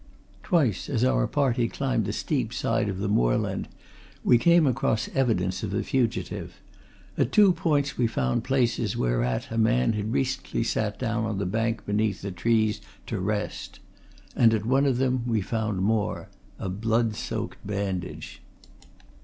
Twice, as our party climbed the steep side of the moorland we came across evidences of the fugitive. At two points we found places whereat a man had recently sat down on the bank beneath the trees, to rest. And at one of them we found more a blood soaked bandage.